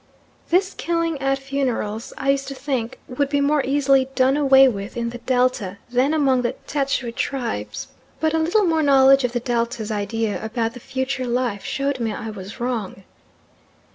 This killing at funerals I used to think would be more easily done away with in the Delta than among the Tschwi tribes, but a little more knowledge of the Delta's idea about the future life showed me I was wrong.